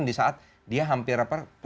di saat dia hampir